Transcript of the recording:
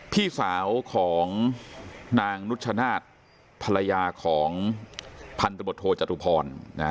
พี่สาวของนางนุชชนาธิ์ภรรยาของพันธบทโทจตุพร